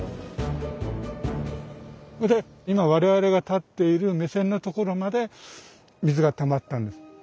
それで今我々が立っている目線の所まで水がたまったんです。